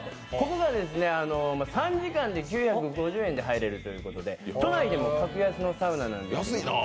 ここが３時間で９５０円で入れるということで都内でも格安のサウナなんです。